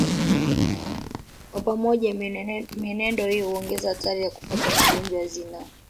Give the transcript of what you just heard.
Kwa pamoja mienendo hii huongeza hatari ya kupata magonjwa ya zinaa